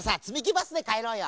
バスでかえろうよ。